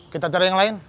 kita cari yang lain